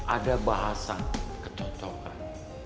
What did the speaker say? ada bahasa kecocokan